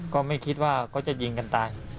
ก็ไม่คิดว่าเขาจะยิงกันตาย